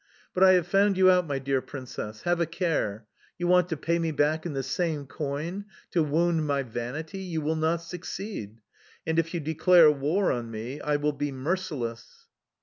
But I have found you out, my dear Princess! Have a care! You want to pay me back in the same coin, to wound my vanity you will not succeed! And if you declare war on me, I will be merciless!